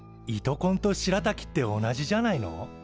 糸こんとしらたきって同じじゃないの？